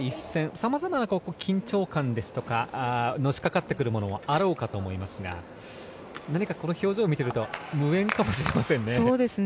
さまざまな緊張感ですとかのしかかってくるものもあろうかと思いますが何か、この表情を見てると無縁かもしれませんね。